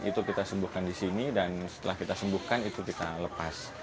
itu kita sembuhkan di sini dan setelah kita sembuhkan itu kita lepas